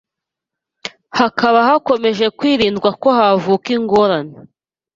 hakaba hakomeje kwirindwa ko havuka ingorane